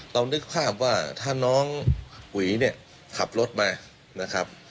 เรานึกภาพว่าถ้าน้องหวีขับรถมา